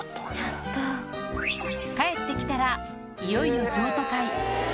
帰ってきたら、いよいよ譲渡会。